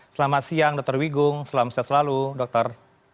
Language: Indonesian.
selamat siang dr wigung selamat siang selalu dokter